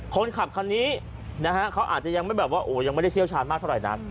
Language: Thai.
คนขับคันนี้เขาอาจจะยังไม่ได้เชี่ยวชาญมากเท่าไหร่นะ